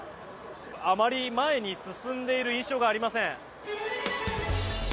あまり前に進んでいる印象がありません。